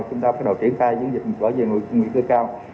chúng ta bắt đầu triển khai chiến dịch bảo vệ người trung nguy cơ cao